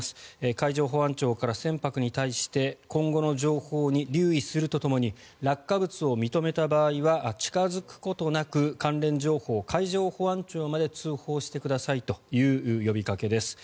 海上保安庁から船舶に対して今後の情報に留意するとともに落下物を認めた場合は近付くことなく、関連情報を海上保安庁まで通報してくださいという呼びかけです。